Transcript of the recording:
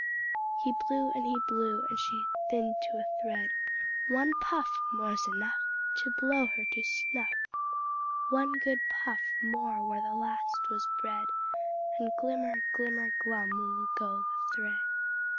He blew and blew, and she thinned to a thread. "One puff More's enough To blow her to snuff! One good puff more where the last was bred, And glimmer, glimmer, glum will go the thread!"